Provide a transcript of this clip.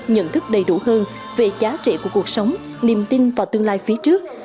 nhận thức đầy đủ hơn về giá trị của cuộc sống niềm tin vào tương lai phía trước